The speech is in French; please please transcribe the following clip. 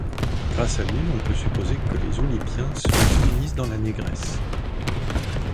Grâce à lui on peut supposer que les oulipiens seraient Ulysse dans la négresse.